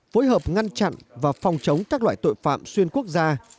phối hợp ngăn chặn và phòng chống các loại tội phạm xuyên quốc gia